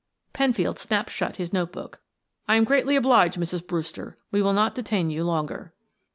Penfield snapped shut his notebook. "I am greatly obliged, Mrs. Brewster; we will not detain you longer."